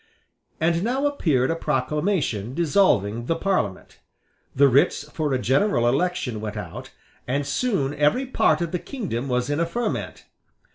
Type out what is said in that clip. And now appeared a proclamation dissolving the Parliament. The writs for a general election went out; and soon every part of the kingdom was in a ferment.